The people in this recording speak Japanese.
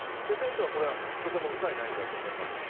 これはとても深い悩みだと思います。